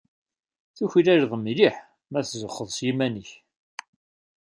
Tuklaleḍ mliḥ ma tzuxxeḍ s yiman-ik.